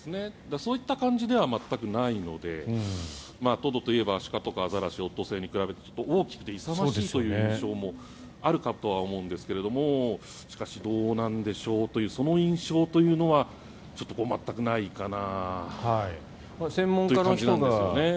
そういった感じでは全くないのでトドといえば、アシカとかアザラシ、オットセイに比べてちょっと大きくて勇ましいという印象もあるかとは思うんですがしかし、どうなんでしょうというその印象というのはちょっと全くないかなという感じなんですよね。